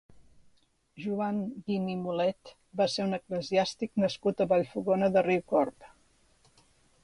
Joan Guim i Molet va ser un eclesiàstic nascut a Vallfogona de Riucorb.